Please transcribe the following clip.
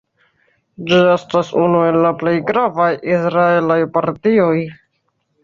Ĝi estas unu el la plej gravaj israelaj partioj.